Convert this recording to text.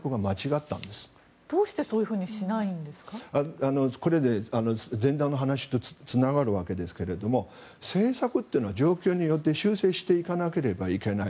どうして前段の話とつながるわけですが政策というのは状況によって修正していかなければいけない。